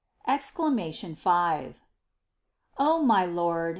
EXCLAMATION V. I. O my Lord